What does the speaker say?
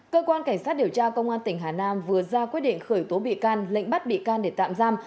cơ quan cảnh sát điều tra công an tỉnh hà nam vừa ra quyết định khởi tố bị can lệnh bắt bị can để tạm giam